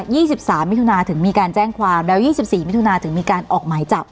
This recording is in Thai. ี่สิบสามมิถุนาถึงมีการแจ้งความแล้วยี่สิบสี่มิถุนาถึงมีการออกหมายจับ